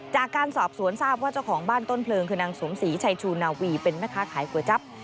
จากการสอบสวนทราบว่าเจ้าของบ้านต้นเพลิงคือนางสมศรีชัยชูนาวีเป็นแม่ค้าขายก๋วยจั๊บ